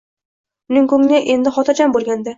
Uning ko`ngli endi hotirjam bo`lgandi